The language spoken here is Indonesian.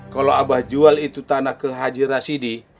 kalo abah jual itu tanah ke hajirah sidi